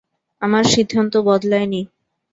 আমার সিদ্ধান্ত বদলায়নি।